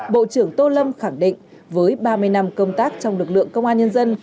bộ trưởng tô lâm khẳng định với ba mươi năm công tác trong lực lượng công an nhân dân